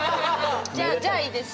じゃあじゃあいいです。